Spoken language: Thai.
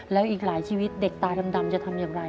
แล้วอีกหลายชีวิตเด็กตาดำจะทำอย่างไร